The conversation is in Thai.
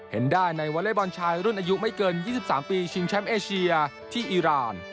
เห็นได้ในวอเล็กบอลชายรุ่นอายุไม่เกิน๒๓ปีชิงแชมป์เอเชียที่อีราน